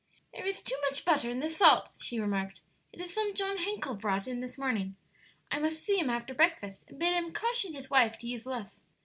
"There is too much butter in this salt," she remarked. "It is some John Hencle brought in this morning. I must see him after breakfast and bid him caution his wife to use less."